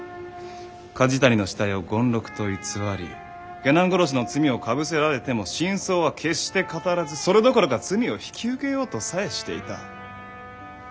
梶谷の死体を権六と偽り下男殺しの罪をかぶせられても真相は決して語らずそれどころか罪を引き受けようとさえしていた。